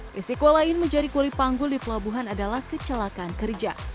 risiko lain menjadi kuli panggul di pelabuhan adalah kecelakaan kerja